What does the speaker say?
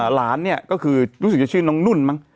หลานเนี่ยก็คือรู้สึกจะชื่อน้องนุ่นมั้ง